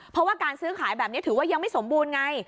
เพราะว่าการซื้อขายแบบนี้ถือว่ายังไม่สมบูรณ์ไง